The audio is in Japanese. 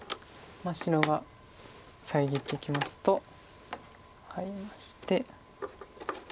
白が遮ってきますとハイまして。